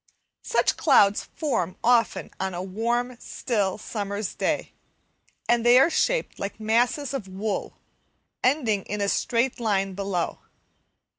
Such clouds form often on warm, still summer's day, and they are shaped like masses of wool, ending in a straight line below.